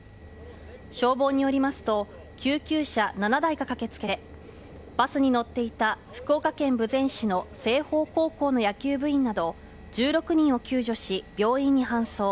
消防によりますと救急車７台が駆けつけてバスに乗っていた福岡県豊前市の青豊高校の野球部員など１６人を救助し、病院に搬送。